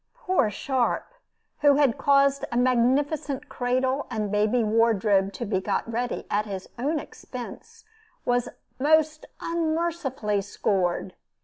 Poor Sharp, who had caused a magnificent cradle and baby wardrobe to be got ready at his own expense, was most unmercifully scored.